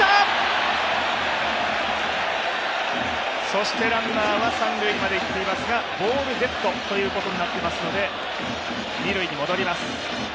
そしてランナーは三塁までいっていますが、ボールデッドということになっていますので、二塁に戻ります。